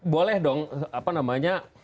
boleh dong apa namanya